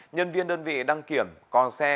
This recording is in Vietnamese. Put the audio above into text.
nhân viên đơn vị đăng kiểm có xe